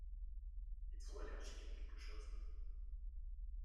Êtes-vous allergique à quelque chose ?